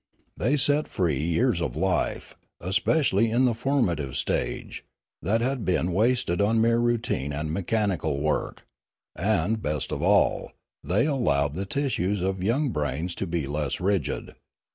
They set free years of life, especially in the formative stage, that had been wasted on mere routine and mechanical work; and, best of all, they allowed the tissues of young brains to be less rigid.